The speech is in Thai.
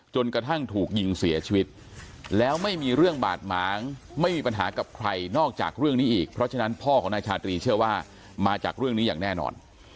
จนกระทั่งถูกยิงเสียชีวิตแล้วไม่มีเรื่องบาดหมางไม่มีปัญหากับใครนอกจากเรื่องนี้อีกเพราะฉะนั้นพ่อของนายชาตรีเชื่อว่ามาจากเรื่องนี้อย่างแน่นอน